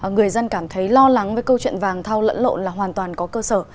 người dân cảm thấy lo lắng với câu chuyện vàng thao lẫn lộn là hoàn toàn có cơ sở